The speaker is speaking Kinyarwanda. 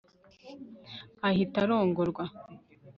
ahita arongorwa